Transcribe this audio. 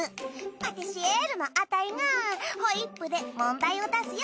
パティシエールのアタイがホイップで問題を出すよ。